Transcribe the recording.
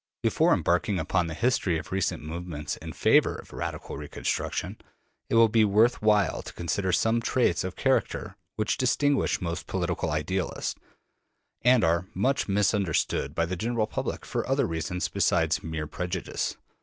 Before embarking upon the history of recent movements In favor of radical reconstruction, it will be worth while to consider some traits of character which distinguish most political idealists, and are much misunderstood by the general public for other reasons besides mere prejudice.